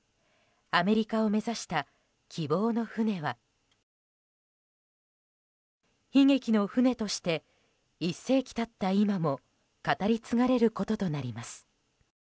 アメリカを目指した希望の船は悲劇の船として１世紀経った今も語り継がれることとなります。